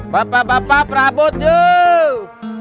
bapak bapak prabut yuk